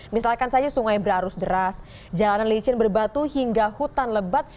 misalkan saja sungai berarus deras jalanan licin berbatu hingga hutan lebat